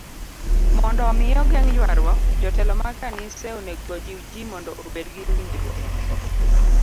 Mondo omi ogeng' ywaruok, jotelo mag kanise onego ojiw ji mondo obed gi winjruok.